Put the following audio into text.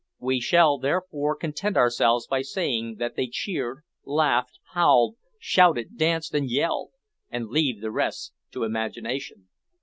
We shall therefore content ourselves by saying that they cheered, laughed, howled, shouted, danced, and yelled and leave the rest to imagination.